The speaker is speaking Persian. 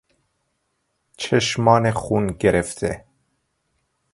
چشمان خون گرفته